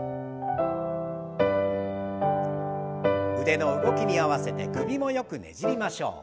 腕の動きに合わせて首もよくねじりましょう。